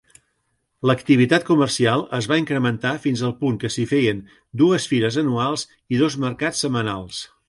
L'activitat comercial es va incrementar fins al punt que s'hi feien dues fires anuals i dos mercats setmanals.